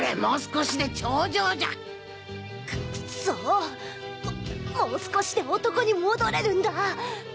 もう少しで頂上じゃクッソーもう少しで男に戻れるんだ